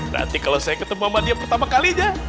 nanti kalau saya ketemu mama dia pertama kalinya